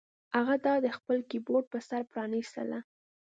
هغه دا د خپل کیبورډ په سر پرانیستله